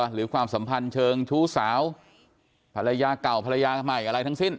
ความสัมพันธ์เชิงชู้สาวภรรยาเก่าภรรยาใหม่อะไรทั้งสิ้น